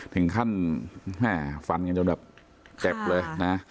ถึงขั้นแม่ฟันกันจนแบบเจ็บเลยนะ